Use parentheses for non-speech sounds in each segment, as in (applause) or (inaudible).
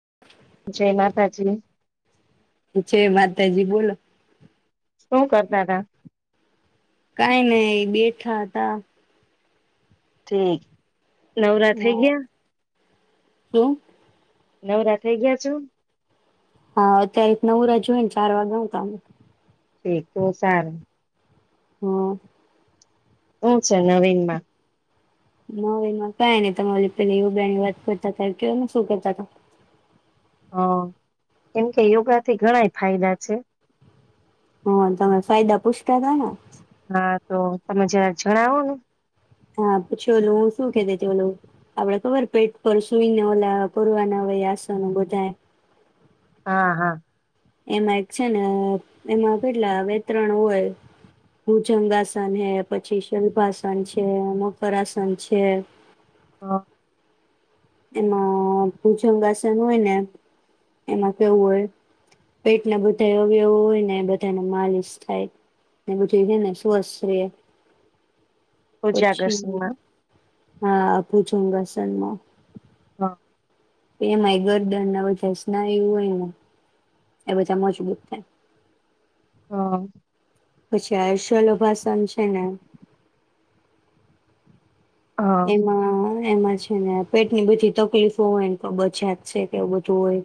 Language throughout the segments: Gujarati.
(inaudible) જય માતાજી. જ માતાજી બોલો. શું કરતા હતા. નહી નહી બેઠા હતા. ઠીક નવરાત થઈ ગયા. (inaudible) નવરાત થઈ ગયા છુ. હા, અત્યારે નવરા જોઈને, ચાર વાગે આવ ત એ તો સારું. હમ્મ, શું છે, નવીન માં. નોવીન માં કઈ નહી, તમા પે બે ની વાત કરતા હતા. કેવાને શું કરતા હતા. હ, કેમ કે યોગાથી ઘણાય ફાયદા છે. હ, તમે ફાયદા પૂછતા હતા ને. હા, તો તમે જરા જણાવોને. હા, પૂછે ઓલું હું શું કેતી ઓલું આપડે ખબર પેટ પર સુઈને ઓ પુરવાના આસ ન બધ હા, હા, એમાં એક છે, ને એમાં કેટલા વેતરણ હોય, ભુજંગાસન હ પછી, શલ્પાસન છે. મકરસન છે. હા, એમાં ભૂજંગ આસન હોયને, એમાં કેવું હોય પેટના બધા અવયવો હોયને, બધાનો માલિશ થાય ને બધુંને સ્વસ્ રહે. પૂજા ગસમાં. હા, આપું છું, ઘાસનમાં. હ, એ એમાંય ગર્દન બધ સ્નાયુ હોયને એ બધા મજબૂત થાય. હ, પછી, આર્શલોભાસન છે, ને હ હા એમાં એમાં છે. ને પેટની બધી તકલીફો હોય, ને બચાત છે, કે એવું બધું હોય.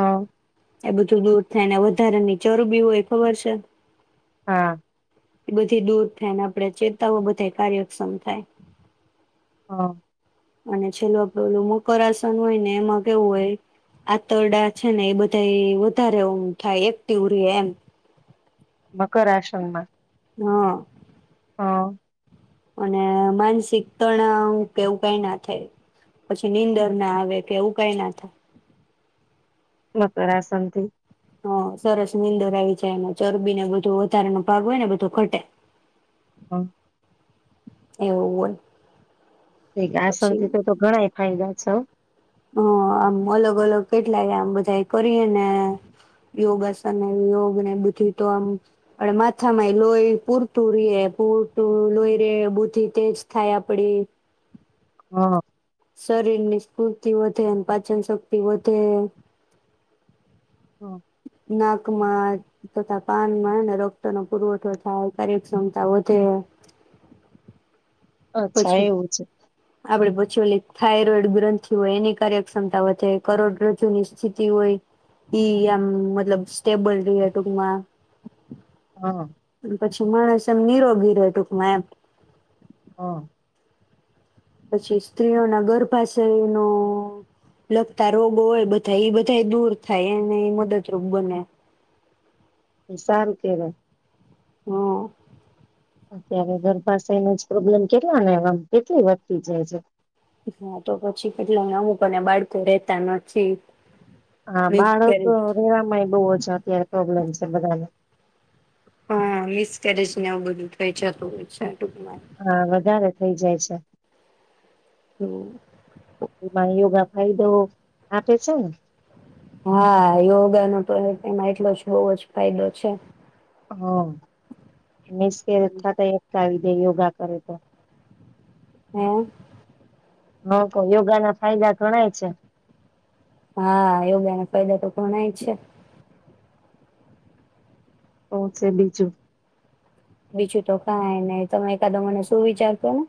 હ, એ બધું દૂર થાયને વધારાની ચરબી હોય એ ખબર છે? હા. એ બધી દૂર થાયને આપણે ચેતાવ બધા કાર્યક્ષમ થાય હા. અને છેલ્લું પેલું મકર આસન હોયને એમાં કેવું હોય આંતરડા છેને એ બધા વધારે થાય એક્ટિવ થાય એમ મકર આસનમાં હા. હા. અને માનસિક તણાવ કેવું કઈ ના થાય પછી નીંદર ના આવે કે એવું કઈ ના થાય. મકર આસનથી હ સરસ નીંદર આવી જાય એમાં ચરબીને બધું વધારાનો ભાગ હોય ને બધું ઘટે હમ. એવું હોય. પછી આસનથી તો તો ઘણા એ ફાયદા છ. હ આમ અલગ અલગ કેટલાય આમ બધા એ કરીએ ને યોગાસન યોગને બુદ્ધિ તો આમ આપડ માથામાં એ લોહી પૂરતું રેએ પૂરતું લોહી રે બુદ્ધિ તેજ થાય આપડી હા. શરીરની સ્ફૂર્તિ વધે પાચન શક્તિ વધે. હ ના તથા પાનમાં રક્તનો પુરવઠો થાય કાર્યક્ષમતા વધે અચ્છા એવું છે. આપણે પછી ઓલી થાયરોઈડ ગ્રંથિ હોય એની કાર્યક્ષમતા વધે કરોડરજુની સ્થિતિ હોય ઈ આમ મતલબ સ્ટેબલ ર ટૂકમાં હા. અને પછી માણસ એમ નિરોગી રહે ટૂકમાં એમ હા. પછી સ્ત્રીઓના ગર્ભાશય ન લગતા રોગો હોય બધા એ બધા દૂર થાય એને મદદરૂપ બને. વિસાન કે હા. અત્યારે ઘર પાાસનો જ પ્રોબ્લેમ કેટલા એ કેટલી વધતી જાય છે. હા તો પછી કેટલા અમુક અને બાળકો રેતા નથી. હા બાળક મિસકેરેજ રેવાવામાંય બહ જ અત્યારે પ્રોબ્લેમ છે બધાને હા મિસ કરરેજ ને આવવું બધું થઈ જતું હોય છે. ટૂંકમાં હા વધારે થઈ જાય છે. યોગા ફાયદો આપે છે ને હા યોગાનો તો એમાં એટલો જ બઉુ જ ફાયદો છે. હા. મિસ કે અચછા થ ક આવીધે યોગા કરે તો હમ. હ તો યોગા ના ફાયદા ઘણાય છે. હા યોગાના ફાયદા તો ઘણાય જ છે. ઓ છે બીજું બીજું તો કઈ નહી તમે એકાદો મને શું વિચારતો ને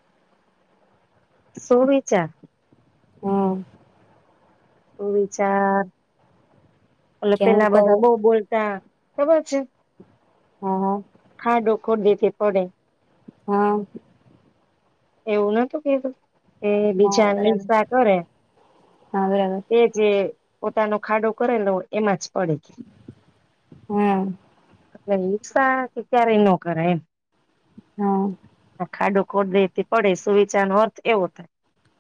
સોમ છે. હમ. સુવિચાર. ઓ કે હું પેલા બધા કહું બહ બોલતા. ખબર છે. હા હા. ખર દ પડે. હા. એવું નતું કીધું. એ બીજા હા ની બરાબર ઈર્ષા કરે હા બરાબર એ જે પોતાનો ખાડો કરેલો એમાં જ પડકી હા રિકસાાથી ત્યારે ન કરે એમ. હા. (unintelligible) પડે સુવિચાર નો અર્થ એવો થાય.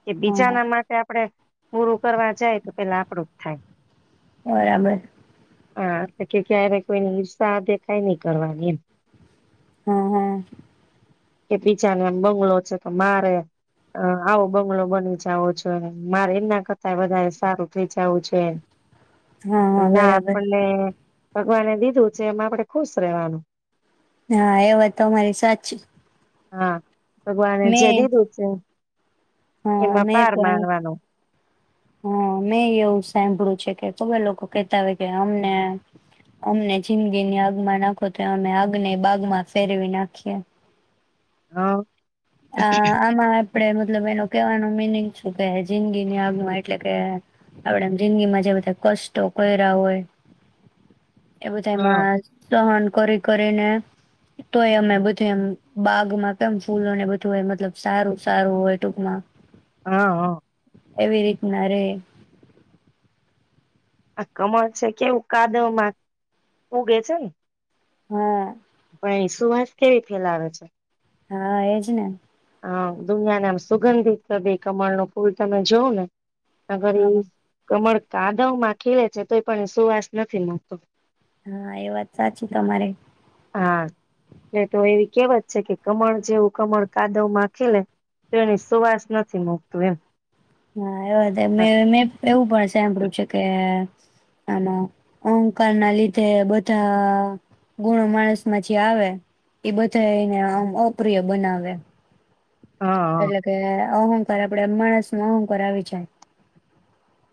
કે હા બીજાના માટે આપડે પૂરું કરવા જાય તો પેલા આપડું થાય. બરાબર. હા એટલે કે ક્યારે કોઈની ઈર્ષા દેખાય નહી કરવાની એમ. હા હા. કે બીજાનો બંગલો છે. તો મારે આવો બંગલો બની જવો જોય ને મારે એમના કરતા વધારે સારું થઈ જવું જોય ને. હા હા બરાબર. ભગવાને દીધું છે એમાં આપડે ખુશ રહેવાનું. હા એ વાત તમારી સાચી. હા ભગવાન. જદી મેં તો છે. હા એમાં મેં પાર પણ માણવાનો. હા મેં એવું સાંભળ્યું છે કે કો લોકો કહેતા હોય કે અમને અમને જિંદગીની આગમાં નાખો તો અમે આગને બાગમાં ફેરવી નાખીએ. હા. હ આમાં આપડે મતલબ એનો કવાનું મીનિંગ છું કે જિંદગીની આગમાં એટલે કે આપડે જિંદગીમાં જે બધા કષો કોરા હોય. એ હ બુંધાયમાં સહન કરી કરી. તેને તોય અમે બધું એમ બાગમાં કેમ ફૂલોને બધ ધુએ મતલબ સારું સારું હોય ટૂંકમાં હ એવી રીતના. ણે. આ કમળ છે કેવું કાદવ માં ઉગે છે. હમ. પણ એ સુવાસ કેવી ફેલાવે છે. હા એજ ને. હા દુનિયાને આમ સુગંધિત બે કમળ નો ફૂલ તમે જોવં ને. અ ઘરી હા કમળ.... ાદવ માં ખીલે છે તો પણ સુવાસ નથી મળતો. હા એ વાત સાચી તમારે. હા એટલે તો એવી કેવાત છે કે કમળ જેવું કમળ. કાદવ માખી લે તેની સુવાસ નથી મુકતું એમ. હા એ મે મેં એવું પણ સાંભળ્યું છે કે- આમાં અહંકાર ના લીધે બધા ગુણો માણસ માંથી આવે એ બધા એને અપ્રિય બનાવે. હા એટલે કે અહંકાર આપડે માણસ.... હું કરાવી છે.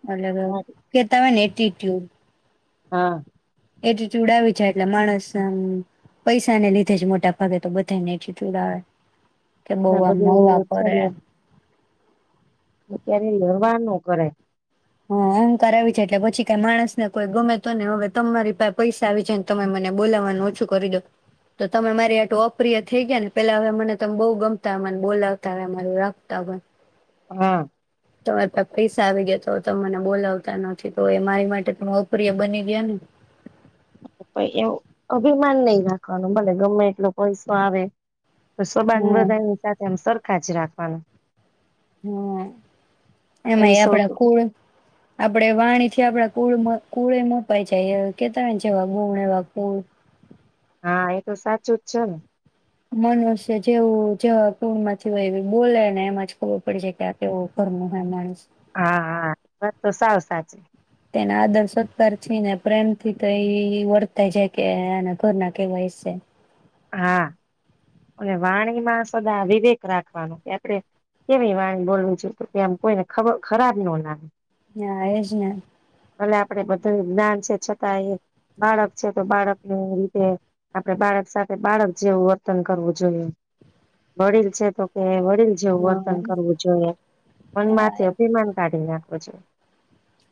અલગ અલ હા કે તમે નેટી.... પૂકું. (unintelligible) હા. એટ ચ ઉડાવી જાય એટલે માણસ પૈસાને લીધે જ મોટા ભાગે તો બધાને એથી ચડાવે. કે બહ આમવા બધું પરેે. ું ક્યારે લડવાનું કરાય... હા અહંકાર આવી જાય એટલે પછી ક માણસને કોઈ ગમે તો ને હવે તમારી પા પૈસા આવી જાયને તમે મને બોલાવવાનું ઓછું કરી દો તો તમે મારી આટું અપ્રિય થઈ ગયા ને પેલા હવે મને ત બહુ ગમતા મને બોલાવતા હર રાખતા. હા. તમારે પા પૈસા આવી ગયા તો ત મને બોલાવતા નથી તો એ મારી માટે ત અપ્રિય બની ગયા ને. એવું અભિમાન નહી રાખવાનું ભલે ગમે એટલો પૈસો આવે. તો શો બાંધ હમ બધા સાથેમ સર... કાચ રાખવાનું. હમ એમાં પૈસો તો આપડા કુળ આપડે વાણી.. થી આપડા કુળ કુળે મપાય જાય કે તા હોય જેવા ગુણ એવા કુળ. હા એ તો સાચું જ છે ને. મનુષ્ય જેવું જે કુળ માંથી હોય એ બોલે ને એમાં જ ખબર પડી જાય કે આ કેવું ઘર ન હોય માણસ. હા હા વાત તો સાવ સાચી. તેના આદર સત્કાર છે ને પ્રેમ થી તો એ વર્તાય જાય કે આના ઘરના કેવા હિસે. હા અને વાણીમાં સદા વિવેક રાખવાનો કે આપણે કેવી વાણી બોલવું છું કે કે આમ કોઈને ખ ખરાબ ન લાગે. ના એજ ને. ભલે આપડે બધું જ્ઞાન છે છતાં એ બાળક છે તો બાળકને રીતે આપડે બાળક સાથે.. બાળક જેવું વર્તન કરવું જોઈએ વડીલ છે તો કે- દિલ જેવું હા વર્તન કરવું જોઈએ પણ હા માથી અભિમાન કાઢી ના. અચ્છા.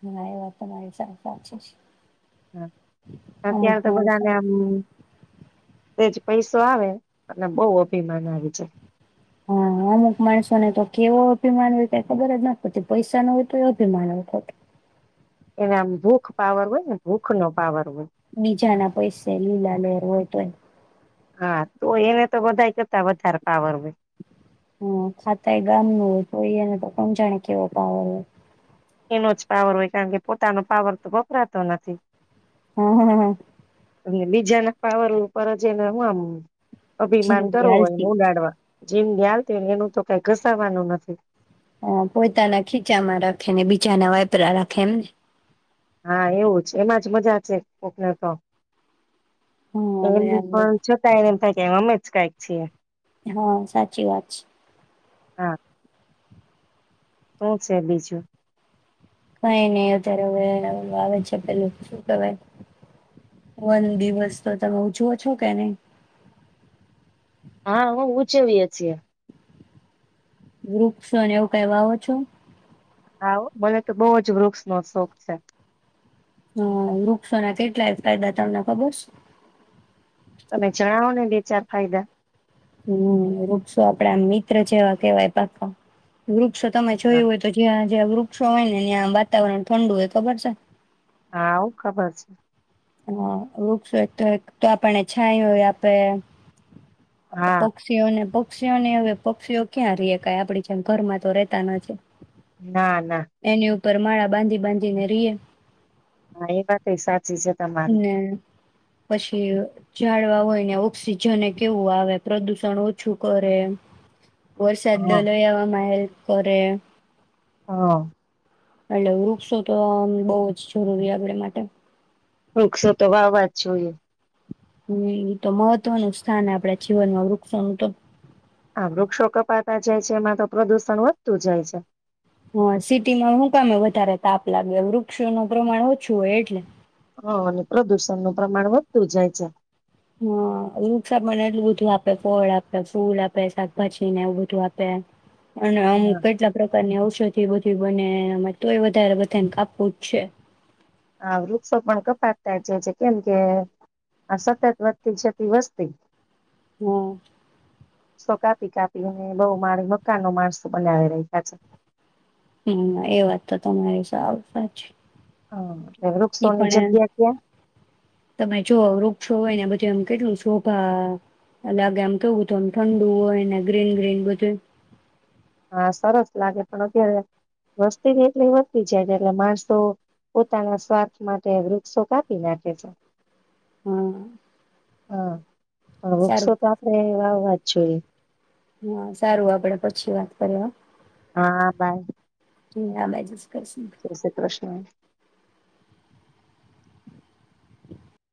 ના એ વાત તમારી સ સાચી છેજ. હ અત્યારે તો બધાને આમ તેજ પૈસો આવે અને બહુ અભિમાન આવી જાય. હા અમુક માણસોને તો કેવો અભિમાન હોય ક ખબર જ ના પડતી પૈસા નો હોય તો એ અભિમાન હોય. ખત એનામ ભૂખ પાવર હોય ને ભૂખ નો પાવર. હોય. બીજા ના પૈસે લીલા લેર હોય. વન. હા તો એને તો બધા કરતા વધારે પાવર હોય. હ સાતા એ ગામ નુ હોય તોયને તો કોણ જાાણે કેવો પાવર હોય. એનો જ પાવર હોય કારણ કે પોતાનો પાવર તો વપરાતો નથી. હા, હા, હા. અને બીજાના પાવર ઉપર જ એને હું આમ અભિમાન જિંદગી કરો હોય ને હાલતી ઉડાડવા જેમ (unintelligible) એનું તો કઈ ઘસવાનું નથી. હ પોતાના ખીચામાં રાખે ને બીચાના વાપરા રાખે એમને. હા એવું જ એમાં જ મજા છે કોક ને તો. હા એમ બરાબર પણ છતાં એમ થાય કે એમજ કઈક છીએ. હા સાચી વાત છે. હા. હું છે બીજું. કઈ નહી અત્યારેું ઓલુ આવે છે પેલું શું કેવાય વન દિવસ તો તમે ઉજવો છો કે નહી. હા હું ઉચેવીએ છીએ. વૃક્ષક્ષોને એવું કાય વાવો છો. હાઓ મને તો બહ જ વૃક્ષ નો શોખ છે. હમ્મ વૃક્ષોના કેટલાય ફાયદા તમને ખબર છે. તમે જણાવો ને બે ચાર ફાયદા. હમ્મ વૃક્ષો આપડા મિત્ર જેવા કેવાય પ્રથમ. વૃક્ષો તમે હા જોયું હોય તો જય જેં વૃક્ષો હોય ને ત્યાં વાતાવરણ ઠંડુ હોય. ખબર છે? હાઓ ખબર છે. હા, વૃક્ષોય તો-તો આપણને છાયો એ આપે. હા પક્ષીઓને પ પક્ષીઓને હવે પક્ષીઓ ક્યાં રહીએ ક્યાં આપડી જેમ ઘરમા તો રહેતા નથી. ના, ના. પરમાળા બાંધી બાંધીને રહીએ. હા, એ વાતએ સાચ સાચી છે તમારી. ને પછી ઝાડવા હોય ને ઓક્સિજન એ કેવું આવે પ્રદુષણ ઓછું કરે વરસાદ હા (unintelligible) એવામાં હેલ્પ કરે. હા. એટલે વૃક્ષો તો બહુ જ જરૂરી આપડ માટે. વૃક્ષો તો વાવવા જ જોઈએ. હ એ તો મહત્વનું સ્થાન આપડા જીવનમાં વૃક્ષોનું તો આમ વૃક્ષો કપાતા જાય છે એમાં તો પ્રદુષણ વધતું જાય છે. હા, સિટીમાં હું તમે વધારે તાપ લાગે વૃક્ષોનું પ્રમાણ ઓછું હોય એટલે હ અને પ્રદુષણ નું પ્રમાણ વધતું જાય છે. હા, વૃક્ષા આપડને એટલું બધું આપે, ફળ આપે, ફૂલ આપે, શાકભાજીને એવું બધું આપે એમ અને હા અમુક કેટલા પ્રકારની ઔષ બધી બધી બને તો એ વધારે બધાને કાપવું જ છે. આ વૃક્ષો પણ કપાતતા જે છે કેમ કે આ સતત વધતી જતી વસ્તી હા. વૃક્ષો કાપી કાપી અને બહુ મારી મકાન ન માણસો બનાવી રહ્યા છે. હમ એ વાત તો તમારી સાવ સાચી. હા. ઈ વૃક્ષોની પણ જગ્યા ક્યાં તમે જો વૃક્ષો હોયને બધ કેમ કેટલું શોભા લાગે આમતો કેવું હત એમ ઠંડુ હોય ને ગ્રીન ગ્રીન બધે હા, સરસ લાગે પણ અત્યારે વસ્તીબી એટલી વદતિ જાય એટલે માણસો પોતાના સ્વાર્થ માટે વૃક્ષો કાપી નાખે છે. હમ્મ. હા. હ, વૃક્ષો તો આપડે એ વાવાત (unintelligible) હા, સારું આપડે પછી વાત કરીએ હોં. હા, બાય. (unintelligible) જય શ્રી કૃષ્ણ.